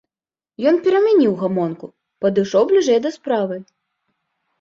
Ён перамяніў гамонку, падышоў бліжэй да справы.